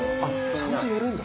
ちゃんとやるんだ？